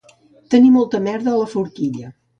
Tenir molta merda a la forquilla